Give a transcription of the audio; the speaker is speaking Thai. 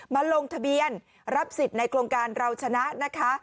ลงทะเบียนรับสิทธิ์ในโครงการเราชนะนะคะ